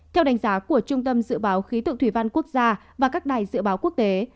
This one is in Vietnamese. theo đánh giá của trung tâm dự báo khí tượng thủy văn quốc gia và các đài dự báo quốc tế